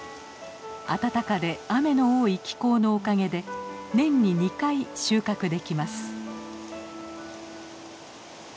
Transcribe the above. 暖かで雨の多い気候のおかげで年に２回収穫できます。